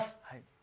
はい。